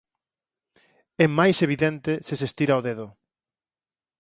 É máis evidente se se estira o dedo.